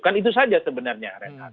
kan itu saja sebenarnya